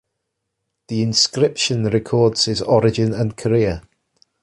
The inscription records his origin and career.